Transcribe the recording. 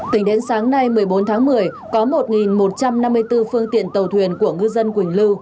tính đến sáng nay một mươi bốn tháng một mươi có một một trăm năm mươi bốn phương tiện tàu thuyền của ngư dân quỳnh lưu